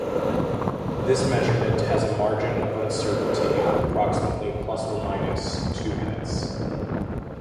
This measurement has a margin of uncertainty of approximately plus or minus two minutes.